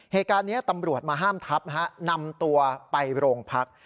เหตุการณ์นี้ตำรวจมาห้ามทับนำตัวไปโรงพัก